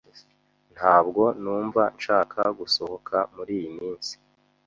Ntabwo numva nshaka gusohoka muriyi minsi